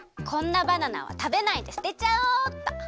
こんなバナナは食べないですてちゃおうっと。